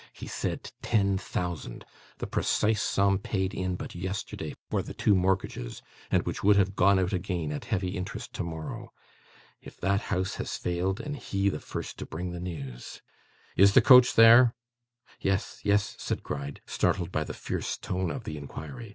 He said ten thousand! The precise sum paid in but yesterday for the two mortgages, and which would have gone out again, at heavy interest, tomorrow. If that house has failed, and he the first to bring the news! Is the coach there?' 'Yes, yes,' said Gride, startled by the fierce tone of the inquiry.